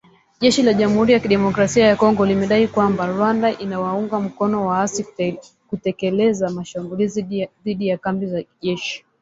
Jeshi la Jamhuri ya Kidemokrasia ya Kongo limedai kwamba Rwanda inawaunga mkono waasi kutekeleza mashambulizi dhidi ya kambi za jeshi